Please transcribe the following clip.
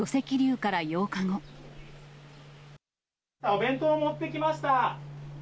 お弁当持ってきました。